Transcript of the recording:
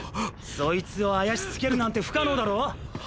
そいつをあやしつけるなんて不可能だろ⁉